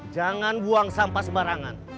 jangan buang sampah sebarangan